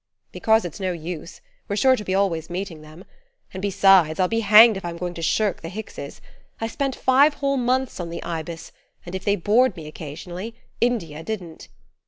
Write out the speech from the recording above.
"Because it's no use: we're sure to be always meeting them. And besides, I'll be hanged if I'm going to shirk the Hickses. I spent five whole months on the Ibis, and if they bored me occasionally, India didn't."